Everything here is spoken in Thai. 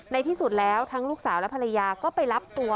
ที่สุดแล้วทั้งลูกสาวและภรรยาก็ไปรับตัว